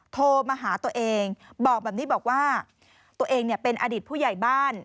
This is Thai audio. โทรมาหาตัวเองบอกว่าตัวเองเป็นอดิตผู้ใหญ่บ้าน